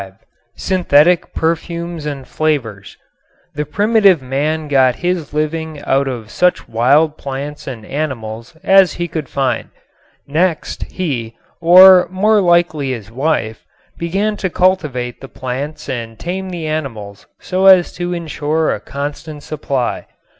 V SYNTHETIC PERFUMES AND FLAVORS The primitive man got his living out of such wild plants and animals as he could find. Next he, or more likely his wife, began to cultivate the plants and tame the animals so as to insure a constant supply.